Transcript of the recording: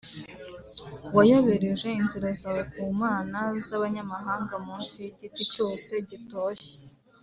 wayobereje inzira zawe ku mana z’abanyamahanga munsi y’igiti cyose gitoshye